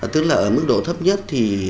tức là ở mức độ thấp nhất